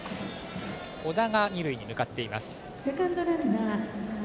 小田が二塁に向かっています。